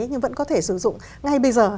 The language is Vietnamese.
nhưng vẫn có thể sử dụng ngay bây giờ